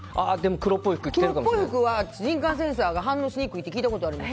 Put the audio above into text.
黒っぽい服は人感センサーが反応しにくいって聞いたことがあります。